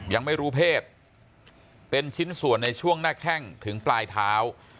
ยังไม่รู้เพศเป็นชิ้นส่วนในช่วงหน้าแข้งถึงปลายเท้า